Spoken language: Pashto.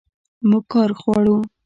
موږ کار غواړو